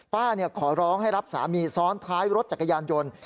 ขอร้องให้รับสามีซ้อนท้ายรถจักรยานยนต์